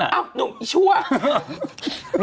อ้าวหนุ่มไอ้ชัวร์